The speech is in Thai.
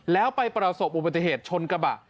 แล้วไปประสบอุบัติเหตุชนกระบะ